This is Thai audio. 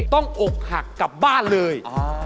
ต้องอกหักกลับบ้านเลย